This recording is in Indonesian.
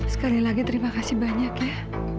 sekali lagi terima kasih banyak ya